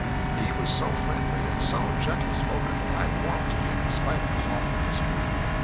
He was so friendly and so gentle spoken that I warmed to him in spite of his awful history.